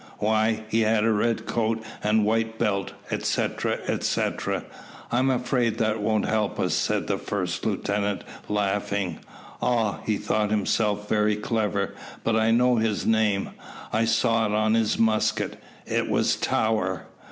"Why, he had a red coat and white belt," etcetera, etcetera. "I am afraid that won't help us," said the first lieutenant, laughing. "Ah! he thought himself very clever; but I know his name, I saw it on his musket. It was Tower!"